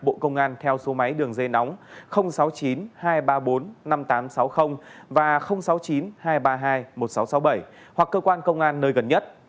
nếu có thông tin về các đối tượng hãy báo ngay cho bộ công an theo số máy đường dây nóng sáu mươi chín hai trăm ba mươi bốn năm nghìn tám trăm sáu mươi và sáu mươi chín hai trăm ba mươi hai một nghìn sáu trăm sáu mươi bảy hoặc cơ quan công an nơi gần nhất